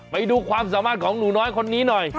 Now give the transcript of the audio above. ไปดูความสามารถของหนูน้อยคนนี้หน่อย